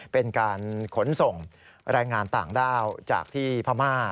เป็นการขนส่งแรงงานต่างด้าวจากที่พม่า